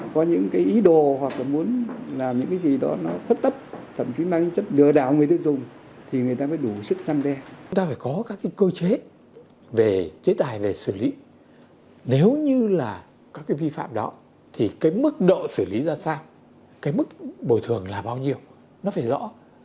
các cái vi phạm đó thì cái mức độ xử lý ra sao cái mức bồi thường là bao nhiêu nó phải rõ